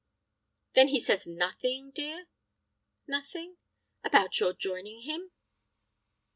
"Then he says nothing, dear—?" "Nothing?" "About your joining him?"